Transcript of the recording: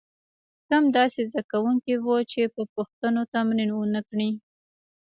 کم داسې زده کوونکي وو چې پر پوښتنو تمرین ونه کړي.